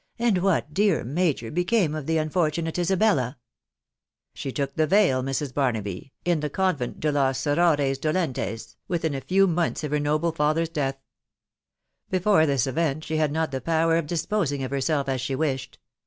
" And what, dear major, became of the unfortunate Isabella ?"" She took the veil, Mrs. Barnaby, in the convent de Los Ceurores Dolentes, within a few months of her noble father's death Before this event she had not the power of dis posing of herself as she wished